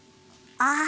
ああ。